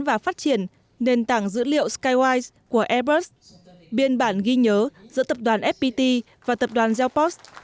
và phát triển nền tảng dữ liệu skywyes của airbus biên bản ghi nhớ giữa tập đoàn fpt và tập đoàn elpost